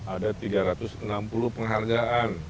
ada tiga ratus enam puluh penghargaan